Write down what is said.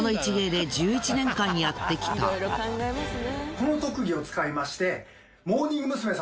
この特技を使いまして。